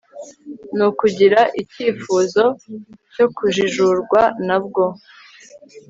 ni ukugira icyifuzo cyo kujijurwa na bwo